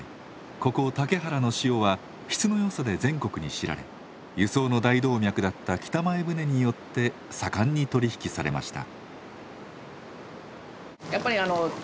ここ竹原の塩は質の良さで全国に知られ輸送の大動脈だった北前船によって盛んに取り引きされました。